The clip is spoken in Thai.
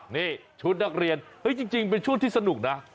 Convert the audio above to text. นี่ชุดนักเรียนจริงเป็นชุดที่สนุกนะ